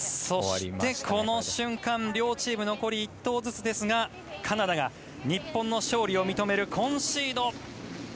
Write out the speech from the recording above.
そしてこの瞬間両チーム残り１投ずつですがカナダが日本の勝利を認めるコンシード。